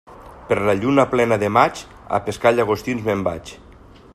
Per la lluna plena de maig, a pescar llagostins me'n vaig.